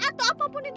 atau apapun itu